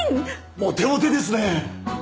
モテモテですね！